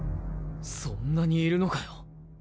そんなにいるのかよ。